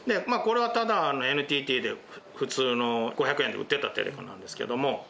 これはただＮＴＴで普通の５００円で売ってたテレカなんですけども。